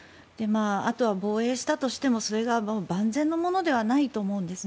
あとは防衛したとしてもそれが万全のものではないと思うんです。